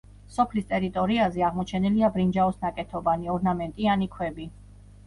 სოფლის ტერიტორიაზე აღმოჩენილია ბრინჯაოს ნაკეთობანი, ორნამენტიანი ქვები.